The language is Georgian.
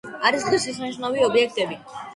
არის ღირსშესანიშნავი ობიექტები.